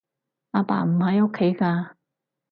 阿爸唔喺屋企㗎